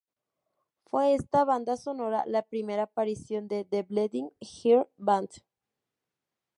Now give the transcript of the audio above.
Fue esta banda sonora la primera aparición de "The Bleeding Heart Band".